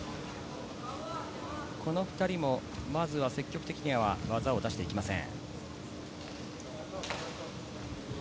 この２人もまずは積極的に技を出していきません。